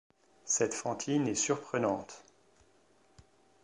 Cette Fantine est surprenante.